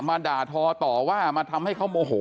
มาด่าทอต่อว่ามาทำให้เขาโมโห